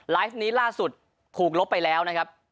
นี้ล่าสุดถูกลบไปแล้วนะครับ